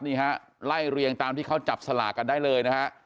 นี่ฮะไล่เรียงตามที่เขาจับสลากกันได้เลยนะฮะ